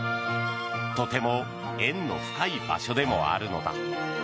とても縁の深い場所でもあるのだ。